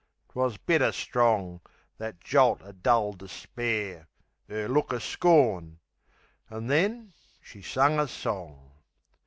'Twas bitter strong, that jolt o' dull despair! 'Er look o' scorn!...An' then, she sung a song.